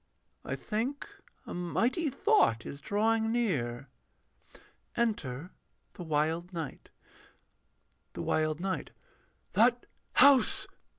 I think a mighty thought is drawing near. [Enter THE WILD KNIGHT.] THE WILD KNIGHT. That house....